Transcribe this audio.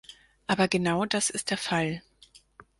Aber genau das ist der Fall.